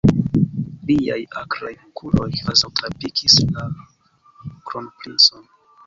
Liaj akraj okuloj kvazaŭ trapikis la kronprincon.